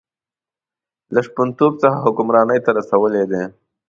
له شپونتوب څخه حکمرانۍ ته رسولی دی.